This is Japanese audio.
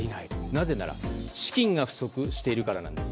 なぜなら、資金が不足しているからなんです。